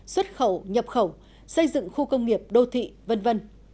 xuất khẩu nhập khẩu xây dựng khu công nghiệp đô thị v v